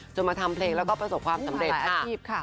มาทำเพลงแล้วก็ประสบความสำเร็จอาชีพค่ะ